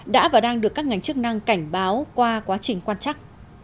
đã và đang được các ngành chức năng cảnh báo qua quá trình quan chắc